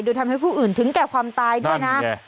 โดยทำให้ผู้อื่นถึงแก่ความตายด้วยนะ